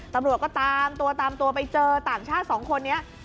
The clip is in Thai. ตำรวจก็ตามตัวตามตัวไปเจอต่างชาติสองคนนี้